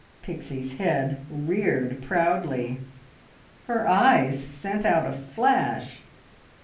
Pixie's head reared proudly; her eyes sent out a flash.